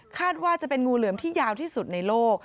ว่าจะเป็นงูเหลือมที่ยาวที่สุดในโลก